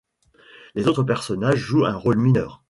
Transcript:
Les autres personnages jouent un rôle mineur.